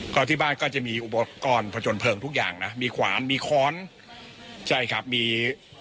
ก็ที่บ้านก็จะมีอุปกรณ์ผจญเพลิงทุกอย่างนะมีขวานมีค้อนใช่ครับมี